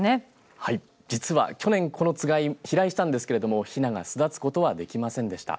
実は、去年のこのつがいが飛来したんですけどひなが巣立つことはできませんでした。